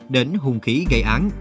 đến hùng khí gây án